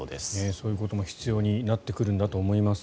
そういうことも必要になってくるんだと思います。